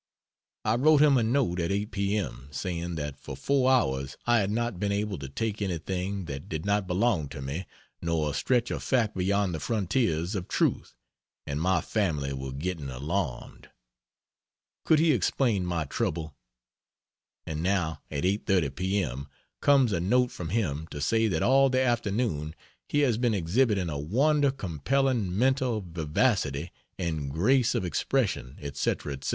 I wrote him a note at 8 p.m.; saying that for four hours I had not been able to take anything that did not belong to me, nor stretch a fact beyond the frontiers of truth, and my family were getting alarmed. Could he explain my trouble? And now at 8.30 p.m. comes a note from him to say that all the afternoon he has been exhibiting a wonder compelling mental vivacity and grace of expression, etc., etc.